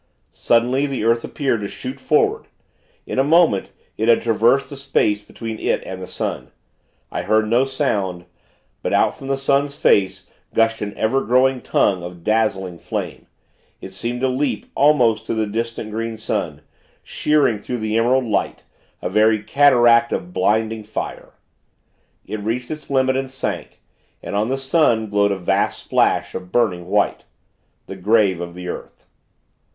Suddenly, the earth appeared to shoot forward. In a moment, it had traversed the space between it and the sun. I heard no sound; but, out from the sun's face, gushed an ever growing tongue of dazzling flame. It seemed to leap, almost to the distant Green Sun shearing through the emerald light, a very cataract of blinding fire. It reached its limit, and sank; and, on the sun, glowed a vast splash of burning white the grave of the earth.